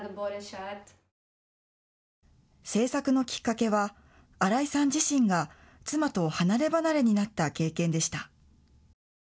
制作のきっかけは新井さん自身が妻と離れ離れになった経験でした。